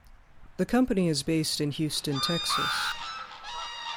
The company is based in Houston, Texas.